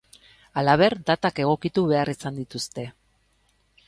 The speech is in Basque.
Halaber, datak egokitu behar izan dituzte.